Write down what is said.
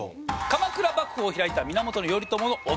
鎌倉幕府を開いた源頼朝の弟。